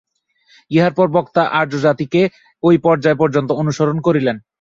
ইহার পর বক্তা আর্যজাতিকে এই পর্যায় পর্যন্ত অনুসরণ করিলেন।